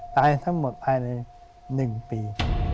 ตายทั้งหมดภายใน๑ปี